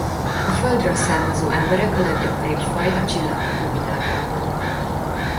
A Földről származó emberek a leggyakoribb faj a Csillagkapu világában.